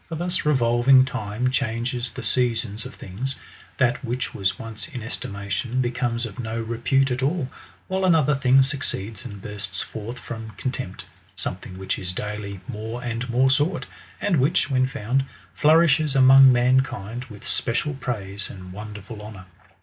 For thus revolving time changes the seasons of things ; that which was once in estimation, becomes of no repute at all ; while another thing succeeds, and bursts forth from contempt ;^ something tvhich is daily more and more sought, and which, when found, flour ishes among mankind with special praise and wonderful honour.